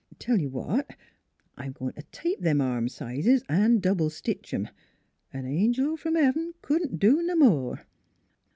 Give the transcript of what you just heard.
Tell you what, I'm goin' t' tape them arm sizes an' double stitch 'em. An angel f'om heaven couldn't do no more."